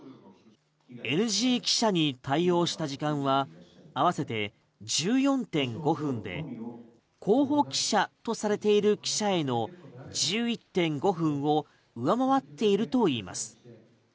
ＮＧ記者に対応した時間は合わせて１４．５分で候補記者とされている記者への１１．５分を上回っているといいます。